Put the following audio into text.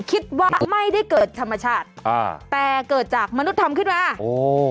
คิดว่าไม่ได้เกิดธรรมชาติอ่าแต่เกิดจากมนุษย์ทำขึ้นมาโอ้